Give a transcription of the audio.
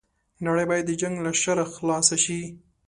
نړۍ بايد د جنګ له شره خلاصه شي